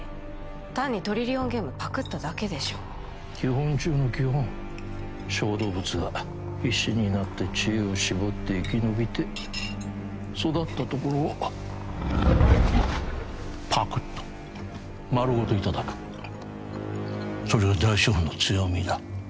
単にトリリオンゲームをパクっただけでしょ基本中の基本小動物は必死になって知恵を絞って生き延びて育ったところをパクッと丸ごといただくそれが大資本の強みだ